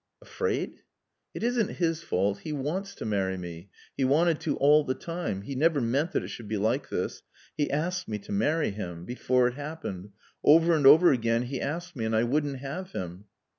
"Afraid " "It isn't his fault. He wants to marry me. He wanted to all the time. He never meant that it should be like this. He asked me to marry him. Before it happened. Over and over again he asked me and I wouldn't have him."